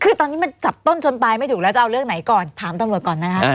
คือตอนนี้มันจับต้นจนตายไม่ถูกแล้วจะเอาเรื่องไหนก่อนถามตำรวจก่อนนะคะ